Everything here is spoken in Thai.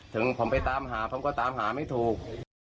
ถึงผมไปตามหาผมก็ตามหาไม่ถูก